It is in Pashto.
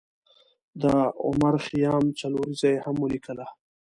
د عمر خیام څلوریځه یې هم ولیکله.